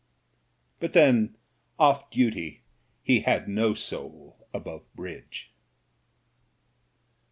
But then, off duty, he had no soul above bridge.